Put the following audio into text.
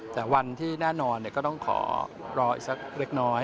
แต่วันที่แน่นอนก็ต้องขอรออีกสักเล็กน้อย